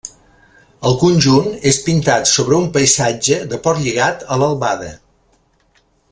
El conjunt és pintat sobre un paisatge de Portlligat a l'albada.